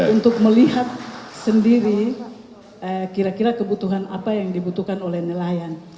untuk melihat sendiri kira kira kebutuhan apa yang dibutuhkan oleh nelayan